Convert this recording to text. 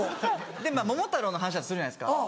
で『桃太郎』の話をするじゃないですか。